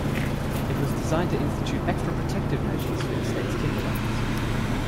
It was designed to institute extra protective measures for the state's timberlands.